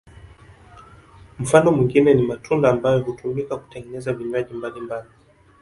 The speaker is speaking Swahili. Mfano mwingine ni matunda ambayo hutumika kutengeneza vinywaji mbalimbali.